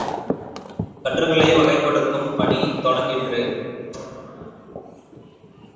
கட்டுரைகளை வகைப்படுத்தும் பணி தொடங்கிற்று.